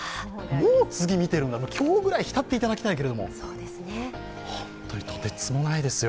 もう次見てるんだ、今日ぐらい浸っていただきたいけれども、本当にとてつもないですよ。